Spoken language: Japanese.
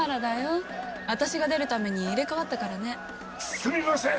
すみません！